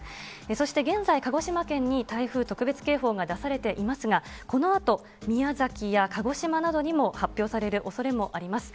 そして現在、鹿児島県に台風特別警報が出されていますが、このあと、宮崎や鹿児島などにも発表されるおそれもあります。